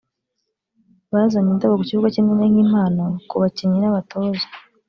bazanye indabo ku kibuga cy’indege nk’impano ku bakinnyi n’abatoza